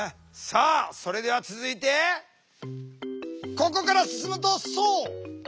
さあそれでは続いてここから進むとそう！